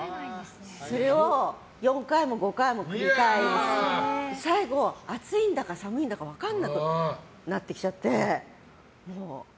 それを４回も５回も繰り返して最後、暑いんだか寒いんだか分かんなくなってきちゃって。